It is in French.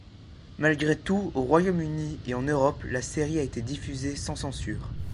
Malgré tout, au Royaume-Uni et en Europe, la série a été diffusée sans censure.